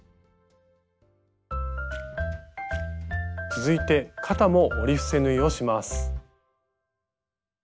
続いて肩も折り伏せ縫いをします。